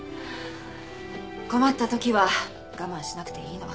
困った時は我慢しなくていいの。